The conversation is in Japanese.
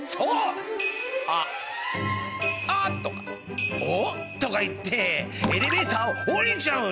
「あっ！」とか「おっ！」とか言ってエレベーターをおりちゃうんだ。